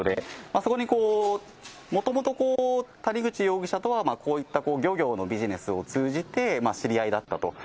あそこにもともと、谷口容疑者とはこういった漁業のビジネスを通じて知り合いだったと。